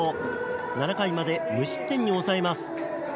７回まで無失点に抑えます。